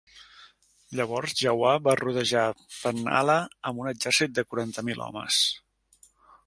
Llavors Jauhar va rodejar Panhala amb un exèrcit de quaranta-mil homes.